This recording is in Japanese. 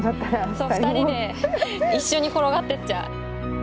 そう２人で一緒に転がってっちゃう。